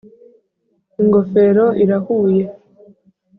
ingofero irahuye.